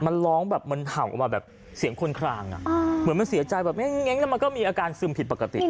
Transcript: มันร้องแบบมันเห่าออกมาแบบเสียงคนคลางเหมือนมันเสียใจแบบเง้งแล้วมันก็มีอาการซึมผิดปกติ